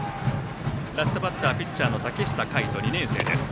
ラストバッターピッチャーの竹下海斗、２年生。